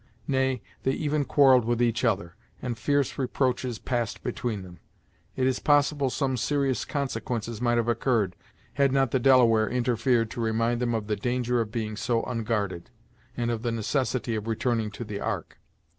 Nay, they even quarrelled with each other, and fierce reproaches passed between them. It is possible some serious consequences might have occurred, had not the Delaware interfered to remind them of the danger of being so unguarded, and of the necessity of returning to the ark.